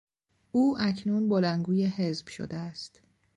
او اکنون بلندگوی حزب شده است.